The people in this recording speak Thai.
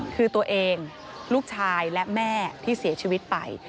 คือตัวเองลูกชายและแม่ที่เสียชีวิตไป